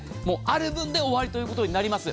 ある分で終わりということになります。